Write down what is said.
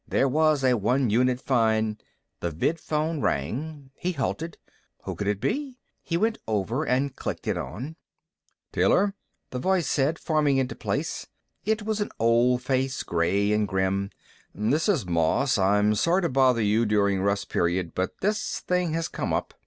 There was a one unit fine The vidphone rang. He halted. Who would it be? He went over and clicked it on. "Taylor?" the face said, forming into place. It was an old face, gray and grim. "This is Moss. I'm sorry to bother you during Rest Period, but this thing has come up."